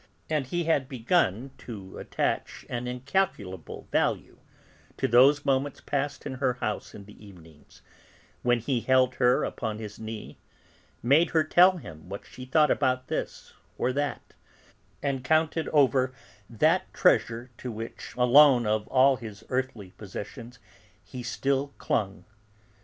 And he had begun to attach an incalculable value to those moments passed in her house in the evenings, when he held her upon his knee, made her tell him what she thought about this or that, and counted over that treasure to which, alone of all his earthly possessions, he still clung.